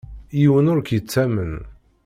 Yiwen ur k-yettamen.